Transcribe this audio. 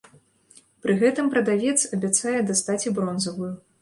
Пры гэтым прадавец абяцае дастаць і бронзавую.